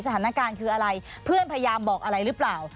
สถานการณ์คืออะไรเพื่อนพยายามบอกอะไรหรือเปล่า